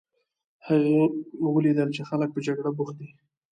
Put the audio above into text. هغه ولیدل چې خلک په جګړه بوخت دي.